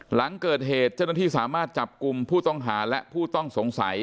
หลังเกิดเหตุเจ้าหน้าที่สามารถจับกลุ่มผู้ต้องหาและผู้ต้องสงสัย